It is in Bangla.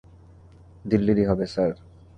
দিল্লিরই হবে, স্যার।